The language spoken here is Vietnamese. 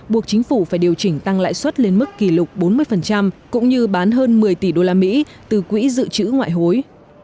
buộc chính phủ phải điều chỉnh tăng lãi suất lên mức kỷ lục bốn mươi cũng như bán hơn một mươi tỷ usd từ quỹ dự trữ ngoại hối